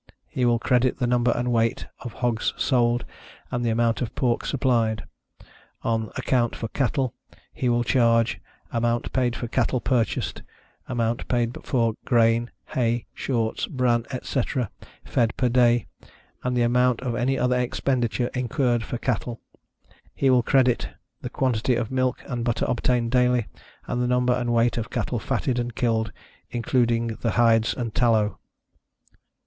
He will credit the number and weight of hogs sold, and the amount of pork supplied. On account for cattle he will chargeâ€"amount paid for cattle purchased; amount paid for grain, hay, shorts, bran, etc., fed per day, and the amount of any other expenditure incurred for cattle. He will creditâ€"the quantity of milk and butter obtained daily, and the number and weight of cattle fatted and killed, including the hides and tallow.